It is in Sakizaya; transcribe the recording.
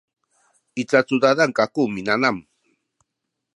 i cacudadan kaku minanam